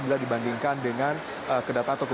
jika dibandingkan dengan peningkatan jumlah penumpang